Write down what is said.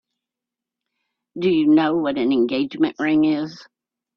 Do you know what an engagement ring is?